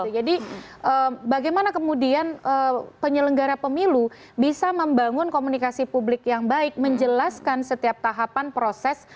jadi bagaimana kemudian penyelenggara pemilu bisa membangun komunikasi publik yang baik menjelaskan setiap tahapan proses